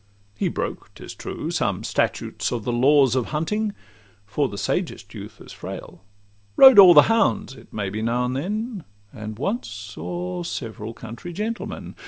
He broke, 'tis true, some statutes of the laws Of hunting—for the sagest youth is frail; Rode o'er the hounds, it may be, now and then, And once o'er several country gentlemen.